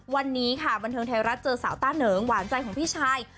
วันนี้ค่ะบันเทิงไทยรัฐเจอสาวต้าเหนิงหวานใจของพี่ชาย